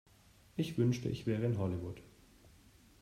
Ich wünschte, ich wäre in Hollywood.